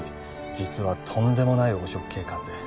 実はとんでもない汚職警官で